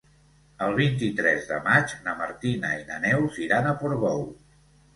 El vint-i-tres de maig na Martina i na Neus iran a Portbou.